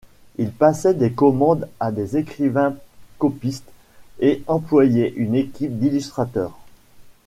Il passait des commandes à des écrivains-copistes et employait une équipe d’illustrateurs.